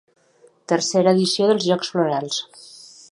Tercera edició dels Jocs Florals.